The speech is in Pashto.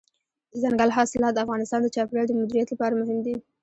دځنګل حاصلات د افغانستان د چاپیریال د مدیریت لپاره مهم دي.